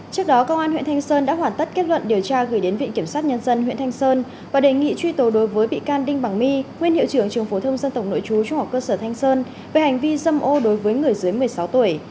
trước đó công an huyện thanh sơn đã hoàn tất kết luận điều tra gửi đến viện kiểm sát nhân dân huyện thanh sơn và đề nghị truy tố đối với bị can đinh bằng my nguyên hiệu trưởng trường phổ thông dân tộc nội chú trung học cơ sở thanh sơn về hành vi dâm ô đối với người dưới một mươi sáu tuổi